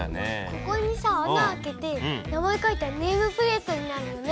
ここにさ穴あけて名前書いたらネームプレートになるよね。